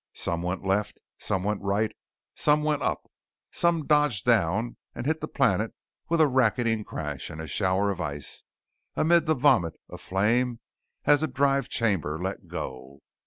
Some went left, some went right, some went up. Some dodged down and hit the planet with a racketing crash and a shower of ice amid the vomit of flame as the drive chamber let go.